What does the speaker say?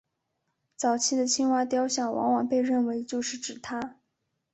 早期的青蛙雕像往往被认为就是指她。